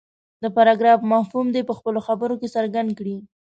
د پراګراف مفهوم دې په خپلو خبرو کې څرګند کړي.